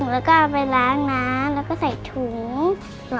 แล้วก็เอาไปล้างน้ำแล้วก็ใส่ถุง